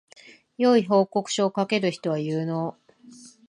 良い報告書を書ける人は有能